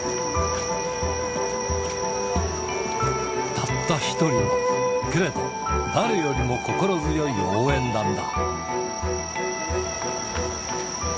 たった一人の、けれど、誰よりも心強い応援団だ。